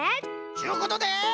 ちゅうことで！